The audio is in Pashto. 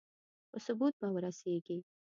په ثبوت به ورسېږي.